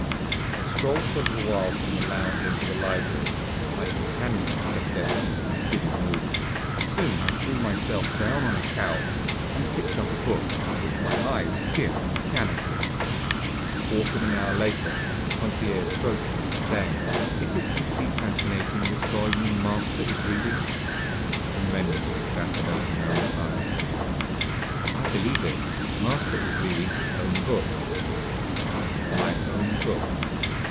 I strolled for a little while from the lounge into the library. My companions kept their seats and didn't move. Soon I threw myself down on a couch and picked up a book, which my eyes skimmed mechanically. A quarter of an hour later, Conseil approached me, saying: "Is it deeply fascinating, this volume master is reading?" "Tremendously fascinating," I replied. "I believe it. Master is reading his own book!" "My own book?"